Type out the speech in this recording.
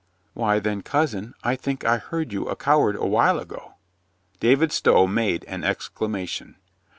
"Why, then, cousin, I think I heard you a coward a while ago." David Stow made an exclamation.